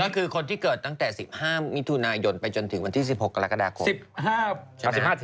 ก็คือคนที่เกิดตั้งแต่๑๕มิถุนายนไปจนถึงวันที่๑๖กรกฎาคม